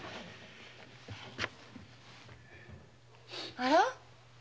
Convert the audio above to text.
あら？